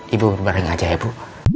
ibu bareng aja ya bu